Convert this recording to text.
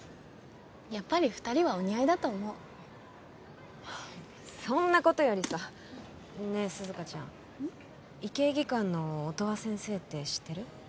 やっぱり２人はお似合いだと思うそんなことよりさねえ涼香ちゃん医系技官の音羽先生って知ってる？